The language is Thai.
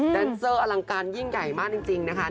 แดนเซอร์อลังการยิ่งใหญ่มากจริงนะคะ